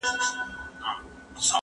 د يو سري مار خوراك يوه مړۍ وه